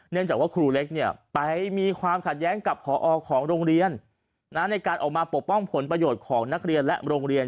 จากว่าครูเล็กเนี่ยไปมีความขัดแย้งกับพอของโรงเรียนในการออกมาปกป้องผลประโยชน์ของนักเรียนและโรงเรียน